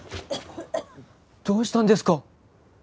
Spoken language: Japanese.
どうしたんですか？